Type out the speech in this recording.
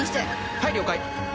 はい了解！